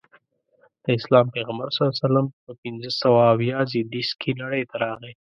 د اسلام پیغمبر ص په پنځه سوه اویا زیږدیز کې نړۍ ته راغی.